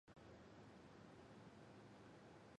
波罗兹克省行政区划和地方政府。